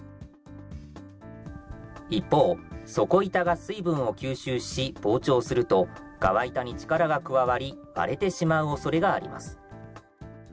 一方、底板が水分を吸収し膨張すると、側板に力が加わり、割れてしまうおそれがあります。